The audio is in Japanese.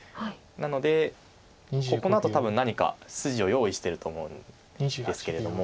なのでここのあと多分何か筋を用意してると思うんですけれども。